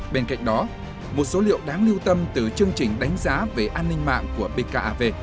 bên cạnh đó một số liệu đáng lưu tâm từ chương trình đánh giá về an ninh mạng của bkav